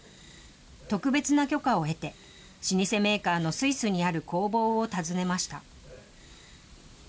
特別な許可を得て、老舗メーカーのスイスにある工房を訪ねました。